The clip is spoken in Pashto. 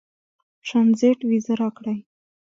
ټرنزیټ وېزه راکړي.